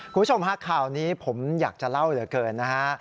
คุณผู้ชมฮะข่าวนี้ผมอยากจะเล่าเหลือเกินนะฮะ